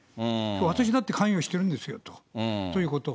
私だって関与してるんですよということを。